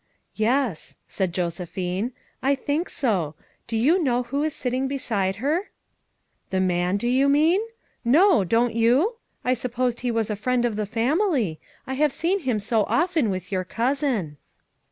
"Yes," said Josephine, "I think so. Do you know who is sitting beside her?" "The man, do you mean? No, don't you? 228 FOUR MOTHERS AT CHAUTAUQUA I supposed be was a friend of the family, I have seen him so often with your cousin."